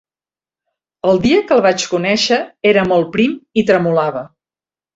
El dia que el vaig conèixer era molt prim i tremolava.